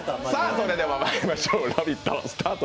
それではまいりましょう、「ラヴィット！」